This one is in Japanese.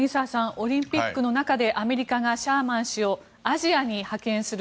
オリンピックの中でアメリカがシャーマン氏をアジアに派遣する。